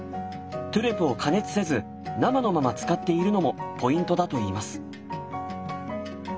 トゥレを加熱せず生のまま使っているのもポイントだといいます。